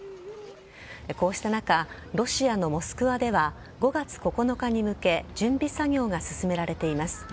こうした中ロシアのモスクワでは５月９日に向け準備作業が進められています。